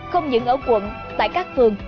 không những ở quận tại các phường